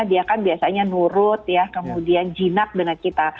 dia kan biasanya nurut ya kemudian jinak dengan kita